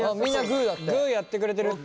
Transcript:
グーやってくれてる。